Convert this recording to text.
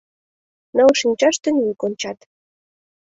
Ныл шинчашт ден вик ончат.